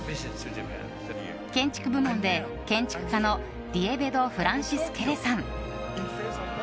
建築部門で建築家のディエベド・フランシス・ケレさん